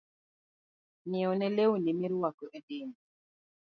Ng'iewne lewni moruako e dende.